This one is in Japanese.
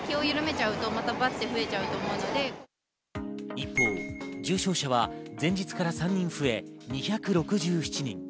一方、重症者は前日から３人増え、２６７人。